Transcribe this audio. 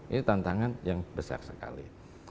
ini tantangan yang besar sekali